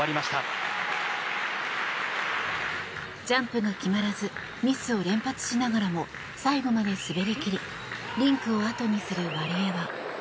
ジャンプが決まらずミスを連発しながらも最後まで滑り切りリンクをあとにするワリエワ。